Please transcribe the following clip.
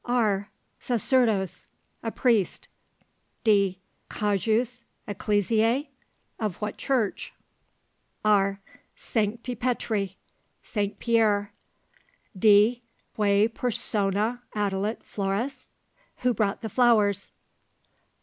R. Sacerdos. A priest. D. Cujus ecclesiae? Of what church? R. Sancti Petri. Saint−Pierre. D. Quae persona attulit flores? Who brought the flowers?